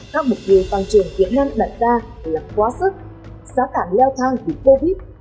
các mục tiêu phan trường việt nam đặt ra là quá sức xá tản leo thang vì covid